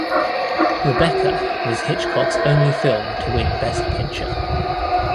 "Rebecca" was Hitchcock's only film to win Best Picture.